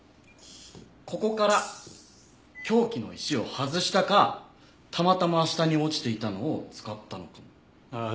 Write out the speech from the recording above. ここから凶器の石を外したかたまたま下に落ちていたのを使ったのかも。